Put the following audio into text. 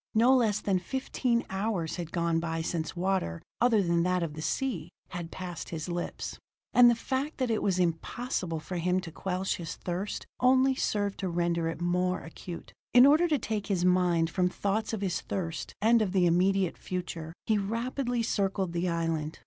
No less than fifteen hours had gone by since water other than that of the sea had passed his lips. And the fact that it was impossible for him to quench his thirst only served to render it more acute. In order to take his mind from thoughts of his thirst and of the immediate future, he rapidly circled the island.